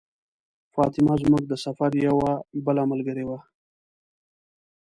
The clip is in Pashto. فاطمه زموږ د سفر یوه بله ملګرې وه.